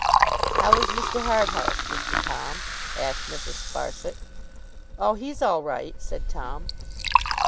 'How is Mr. Harthouse, Mr. Tom?' asked Mrs. Sparsit. 'Oh, he's all right,' said Tom.